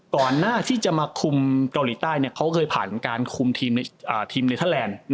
ก่อนหน้าที่จะมาคุมเกาหลีใต้เขาเคยผ่านการคุมทีมเนเทอร์แลนด์